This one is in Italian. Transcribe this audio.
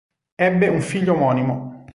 Ebbe un figlio omonimo.